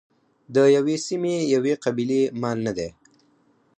د یوې سیمې یوې قبیلې مال نه دی.